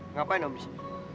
ngapain om disini